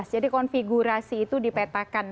jadi konfigurasi itu dipetakan